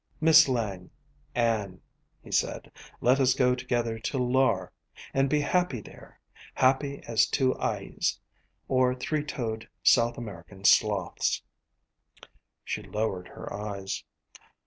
"Miss Lange, Anne," he said, "let us go together to Lar and be happy there happy as two ais, or three toed South American sloths." She lowered her eyes.